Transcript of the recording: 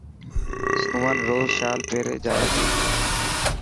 سمن روز شال پيري جائي تي.